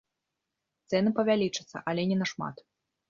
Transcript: Цэны павялічацца, але не на шмат.